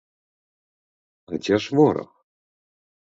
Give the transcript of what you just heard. А дзе ж вораг?